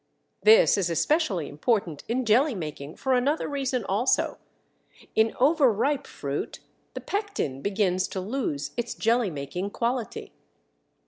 This is especially important in jelly making for another reason also: In overripe fruit the pectin begins to lose its jelly making quality.